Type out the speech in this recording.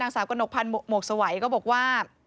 สาวกระหนกพันธ์หมวกสวัยก็บอกว่า